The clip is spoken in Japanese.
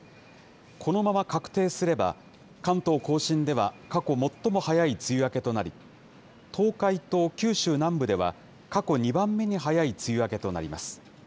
このまま確定すれば、関東甲信では過去最も早い梅雨明けとなり、東海と九州南部では過去２番目に早い梅雨明けとなります。